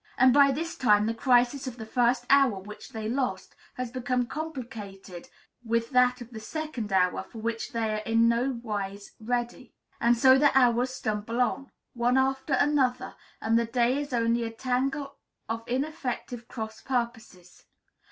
And by this time the crisis of the first hour which they lost has become complicated with that of the second hour, for which they are in no wise ready; and so the hours stumble on, one after another, and the day is only a tangle of ineffective cross purposes.